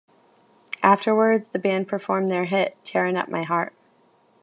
Afterwards, the band performed their hit "Tearin' Up My Heart".